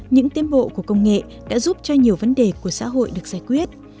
những tiến bộ của công nghệ đã giúp cho nhiều vấn đề của xã hội được giải quyết